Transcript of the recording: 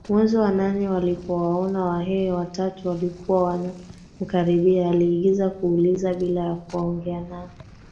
Mwezi wa nane alipowaona Wahehe watatu waliokuwa wanamkaribia aliagiza kuuliza bila ya kuongea nao